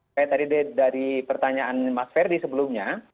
kayak tadi dari pertanyaan mas ferdi sebelumnya